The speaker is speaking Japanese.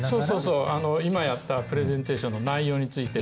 あの今やったプレゼンテーションの内容について。